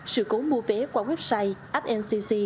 sự cố mua vé qua website app ncc